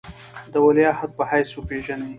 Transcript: د ولیعهد په حیث وپېژني.